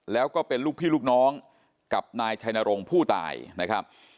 แล้วก็เป็นลูกพี่ลูกน้องกับนายชัยนรงค์ผู้ตายนะครับ